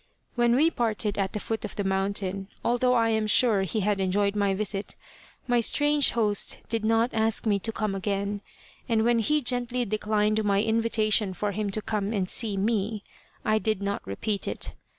When we parted at the foot of the mountain, although I am sure he had enjoyed my visit, my strange host did not ask me to come again, and when he gently declined my invitation for him to come and see me, I did not repeat it.